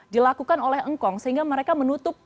dilakukan oleh engkong sehingga mereka menutup